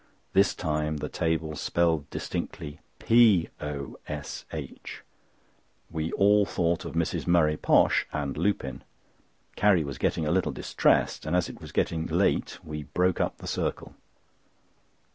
This time the table spelled distinctly "POSH." We all thought of Mrs. Murray Posh and Lupin. Carrie was getting a little distressed, and as it was getting late we broke up the circle.